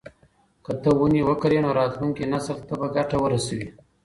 که ته ونې وکرې نو راتلونکي نسل ته به ګټه ورسوي.